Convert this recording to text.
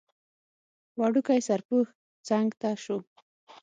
وړوکی سرپوښ څنګ ته شو.